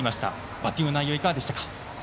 バッティング内容いかがでしたか。